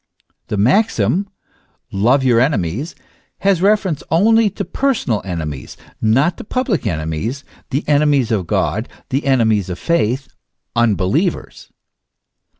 The maxim, "Love your enemies," has reference only to personal enemies, not to public enemies, the enemies of God, the enemies of faith, unbelievers.